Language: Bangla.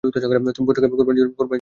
তুমি পুত্রকে কুরবানীর জন্যে পেশ করেছ।